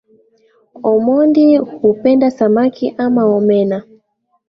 Omondi hupenda samaki ama omena